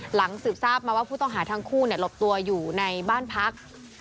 สืบทราบมาว่าผู้ต้องหาทั้งคู่หลบตัวอยู่ในบ้านพัก